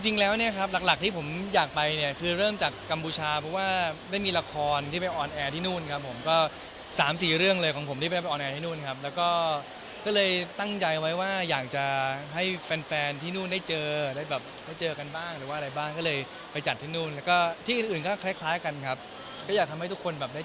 จริงแล้วเนี่ยครับหลักหลักที่ผมอยากไปเนี่ยคือเริ่มจากกัมพูชาเพราะว่าได้มีละครที่ไปออนแอร์ที่นู่นครับผมก็สามสี่เรื่องเลยของผมที่ไปออนแอร์ที่นู่นครับแล้วก็ก็เลยตั้งใจไว้ว่าอยากจะให้แฟนแฟนที่นู่นได้เจอได้แบบได้เจอกันบ้างหรือว่าอะไรบ้างก็เลยไปจัดที่นู่นแล้วก็ที่อื่นอื่นก็คล้ายคล้ายกันครับก็อยากทำให้ทุกคนแบบได้